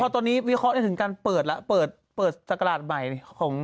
ตอนนี้วิเคราะห์ได้ถึงการเปิดแล้วเปิดศักราชใหม่ของ